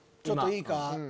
ちょっといいか。